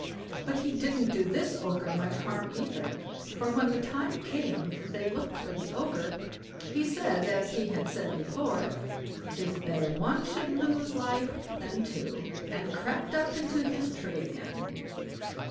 But he didn't do this Ogre much harm either, for when the time came that they looked for the Ogre, he said, as he had said before: "'Tis better one should lose life than two", and crept up into his tree again.